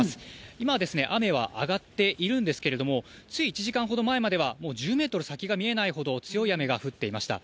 今ですね、雨は上がっているんですけれども、つい１時間ほど前までは、もう１０メートル先が見えないほど強い雨が降っていました。